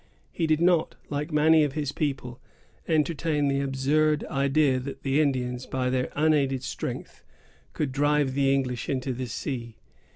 He did not, like many of his people, entertain the absurd idea that the Indians, by their unaided strength, could drive the English into the sea.